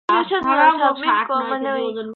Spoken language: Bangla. মায় বারও কিছুই মেটের হাত ধরে দৌড়ালে।